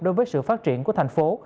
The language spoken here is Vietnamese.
đối với sự phát triển của thành phố